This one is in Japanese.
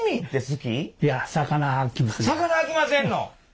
魚あきませんの？